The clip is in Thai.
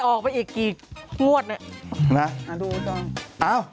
ออกไปอีกกี่มวดนะ